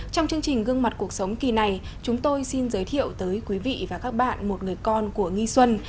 trong chương trình gương mặt cuộc sống kỳ này chúng tôi xin giới thiệu tới quý vị và các bạn một người con của nghi xuân